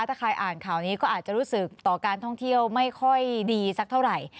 ถ้าใครอ่านข่าวนี้ก็อาจจะรู้สึกต่อการท่องเที่ยวไม่ค่อยดีสักเท่าไหร่